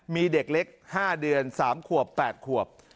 มีเด็กเล็ก๕เดือน๓ขวบ๘ขวบ